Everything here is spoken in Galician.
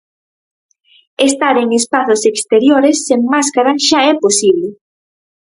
Estar en espazos exteriores sen máscara xa é posible.